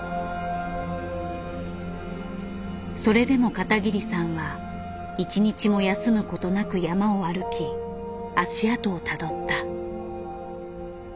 それでも片桐さんは一日も休むことなく山を歩き足跡をたどった。